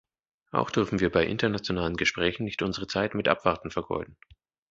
Auch dürfen wir bei internationalen Gesprächen nicht unsere Zeit mit Abwarten vergeuden.